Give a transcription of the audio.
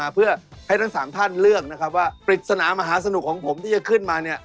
เพื่อให้ทั้ง๓ท่านเลือกนะครับว่าปริศนามหาสนุกของผมที่จะขึ้นมา